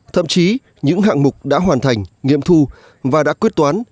thậm chí những hạng mục đã hoàn thành nghiệm thu và đã quyết toán